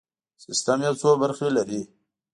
سیستم یو څو برخې لري.